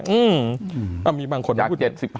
อื้อมีบางคนไม่พูด